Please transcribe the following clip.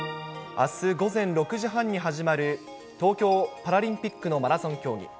あす午前６時半に始まる、東京パラリンピックのマラソン競技。